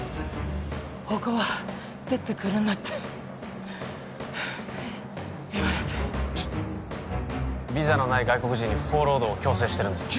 他は出てくるなって言われてチッビザのない外国人に不法労働を強制してるんですね？